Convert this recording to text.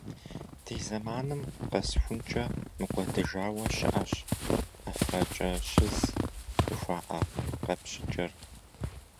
Ди зэманым къэсхункӏэ мыкӏуэдыжауэ щыӏэщ «ӏэфракӏэщыз» жыхуаӏэ къэпщыкӏэр.